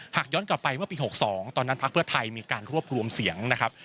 หากย้อนกลับไปเมื่อปี๖๒ตอนนั้นพักเพื่อไทยมีการรวบรวมเสียงนะครับ